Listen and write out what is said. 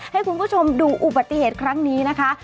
ให้คุณผู้ชมดูอุบัติเหตุครั้งนี้นะคะ